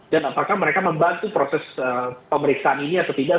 dan apakah mereka membantu proses pemeriksaan ini atau tidak